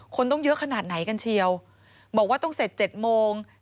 คนต้องเยอะขนาดไหนกันเชียวบอกว่าต้องเสร็จ๗โมง